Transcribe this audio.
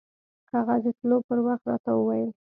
هغه د تلو پر وخت راته وويل.